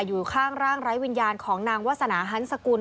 อยู่ข้างร่างไร้วิญญาณของนางวาสนาฮันสกุล